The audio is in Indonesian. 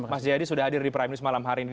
mas jayadi sudah hadir di prime news malam hari ini